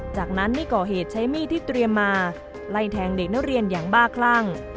จากนั้นได้ก่อเหตุใช้มีดที่เตรียมมาไล่แทงเด็กนักเรียนอย่างบ้าคลั่ง